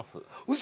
嘘！？